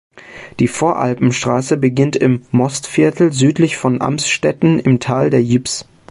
Die Voralpen Straße beginnt im Mostviertel südlich von Amstetten im Tal der Ybbs.